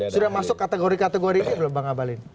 sudah masuk kategori kategori ini belum bang abalin